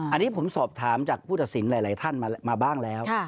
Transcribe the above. อันนี้ผมสอบถามจากผู้ตัดสินหลายท่านมาบ้างแล้ว